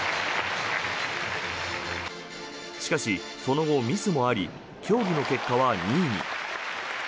しかし、その後ミスもあり競技の結果は２位に。